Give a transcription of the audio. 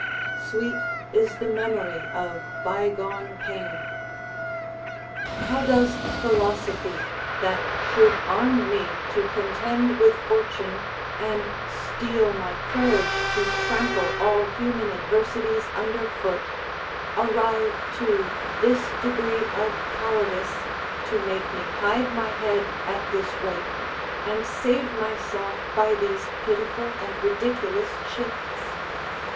"Sweet is the memory of by gone pain." How does philosophy, that should arm me to contend with fortune, and steel my courage to trample all human adversities under foot, arrive to this degree of cowardice to make me hide my head at this rate, and save myself by these pitiful and ridiculous shifts?